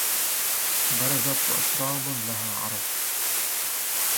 برزت وأتراب لها عرب